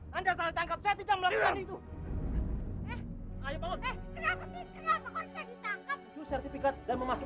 tidak salah ditangkap saya tidak melakukan itu